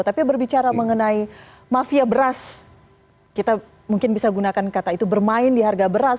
tapi berbicara mengenai mafia beras kita mungkin bisa gunakan kata itu bermain di harga beras